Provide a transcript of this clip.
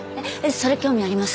それ興味あります。